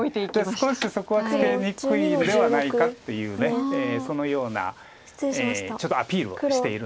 少しそこはツケにくいんではないかっていうそのようなちょっとアピールをしているんですけども。